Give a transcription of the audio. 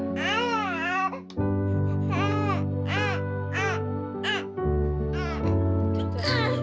bapak aku cari buang buang